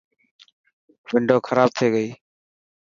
ونڊو خراب ٿي گئي.